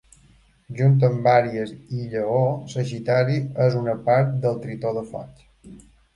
Junt amb Àries i Lleó, Sagitari és una part del Tritó de Foc.